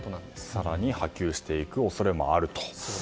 更に波及していく恐れもあると。